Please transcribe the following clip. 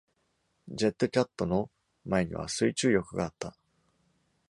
ジェットキャットの前には水中翼があった。